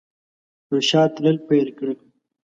پر شا تلل پیل کړل.